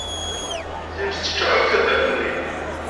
Times tečča akk taddart-nni.